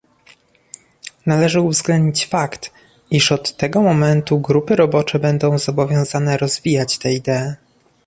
Należy uwzględnić fakt, iż od tego momentu grupy robocze będą zobowiązane rozwijać te idee